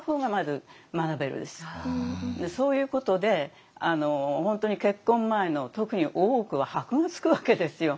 そういうことで本当に結婚前の特に大奥は箔が付くわけですよ。